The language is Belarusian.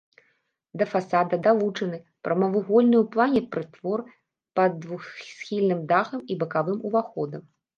Да фасада далучаны прамавугольны ў плане прытвор пад двухсхільным дахам і бакавым уваходам.